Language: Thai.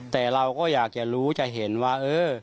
แต่เราก็อยากจะรู้จะเห็นว่าเออ